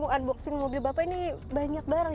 buat unboxing mobil bapak ini banyak bareng